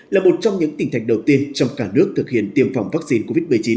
là một trong những tỉnh thành đầu tiên trong cả nước thực hiện tiêm phòng vaccine covid một mươi chín